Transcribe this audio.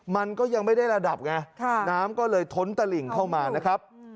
มันก็ยังไม่ได้ระดับไงน้ำก็เลยท้นตะหลิ่งเข้ามานะครับ